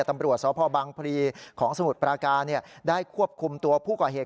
ตำรวจสพบังพลีของสมุทรปราการได้ควบคุมตัวผู้ก่อเหตุ